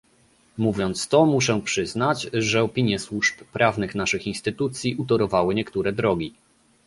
Mówiąc to muszę przyznać, że opinie służb prawnych naszych instytucji utorowały niektóre drogi